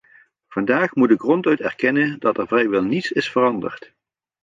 Vandaag moet ik ronduit erkennen dat er vrijwel niets is veranderd.